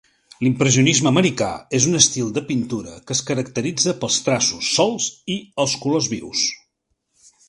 L'impressionisme americà és un estil de pintura que es caracteritza pels traços solts i els colors vius.